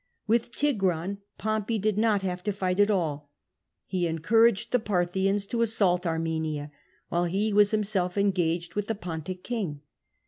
With Tigranes Pompey did not have to fight at all : he encouraged the Parthians to assault Armenia, while he was himself engaged with the Pontic king.